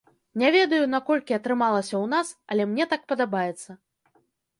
Не ведаю, наколькі атрымалася ў нас, але мне так падабаецца.